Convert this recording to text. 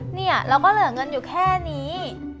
เนี่ยเราก็เหลือเงินอยู่แค่นี้